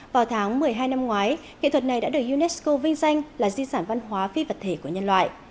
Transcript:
vào tháng một mươi hai năm ngoái nghệ thuật này đã được unesco vinh danh là di sản văn hóa phi vật thể của nhân loại